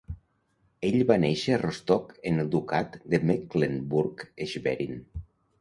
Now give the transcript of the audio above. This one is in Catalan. Ell va néixer a Rostock en el Ducat de Mecklenburg-Schwerin.